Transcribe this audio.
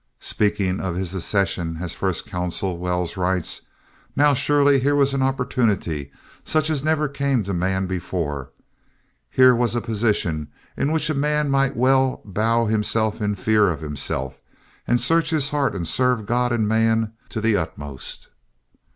Speaking of his accession as First Consul, Wells writes: "Now surely here was opportunity such as never came to man before. Here was a position in which a man might well bow himself in fear of himself, and search his heart and serve God and man to the utmost."